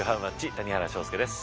谷原章介です。